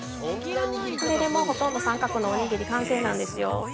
これでもう、ほとんど三角のおにぎり、完成なんですよ。